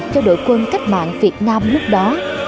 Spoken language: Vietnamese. cho đội quân cách mạng việt nam lúc đó